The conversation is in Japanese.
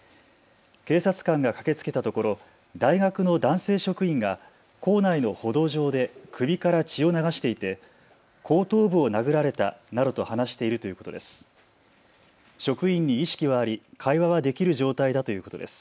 警察官が駆けつけたところ大学の男性職員が構内の歩道上で首から血を流していて後頭部を殴られたなどと話しているということです。